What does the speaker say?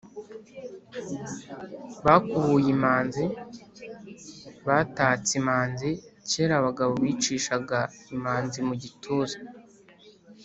bakubuye imanzi: batatse imanzi, cyera abagabo bicishaga imanzi mu gituza